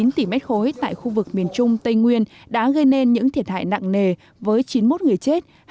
một mươi chín tỷ mét khối tại khu vực miền trung tây nguyên đã gây nên những thiệt hại nặng nề với chín mươi một người chết